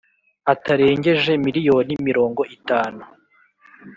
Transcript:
Atarengeje miriyoni mirongo itanu